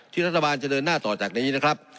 รัฐบาลจะเดินหน้าต่อจากนี้นะครับ